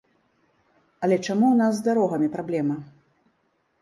Але чаму ў нас з дарогамі праблема?